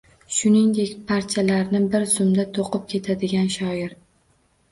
Shuningdek, parchalarni bir zumda to'qib ketadigan shoir